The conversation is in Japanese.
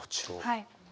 はい。